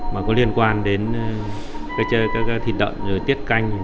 mà có liên quan đến các thịt đợn tiết canh